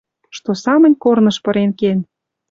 Что самынь корныш пырен кен.